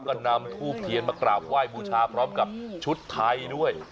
ก็นำทูบเทียนมากราบไหว้บูชาพร้อมกับชุดไทยด้วย